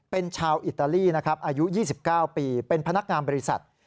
เป็นชาวอิตาลีนะครับอายุ๒๙ปีเป็นพนักงานบริษัท